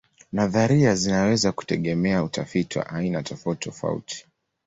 Nadharia zinaweza kutegemea utafiti wa aina tofautitofauti.